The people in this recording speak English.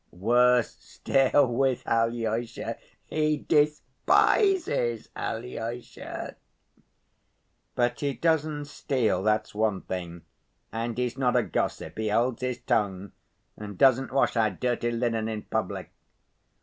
Worse still with Alyosha, he despises Alyosha. But he doesn't steal, that's one thing, and he's not a gossip, he holds his tongue, and doesn't wash our dirty linen in public.